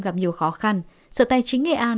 gặp nhiều khó khăn sở tài chính nghệ an